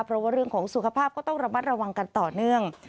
เพราะว่าเรื่องของสุขภาพก็ต้องระมัดระวังกันต่อเนื่อง